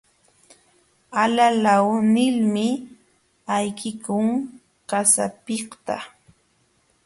Alalaw nilmi ayqikun qasapiqta.